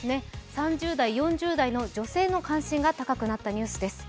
３０代・４０代の女性の関心が高くなったニュースです。